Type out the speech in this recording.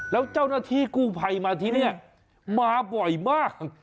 แล้วเจ้าหน้าที่กู้ภัยมาที่นี่มาบ่อยมาก